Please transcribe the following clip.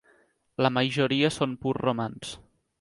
La majoria són pur romanç.